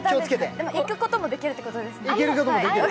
でも行くこともできるってことですね。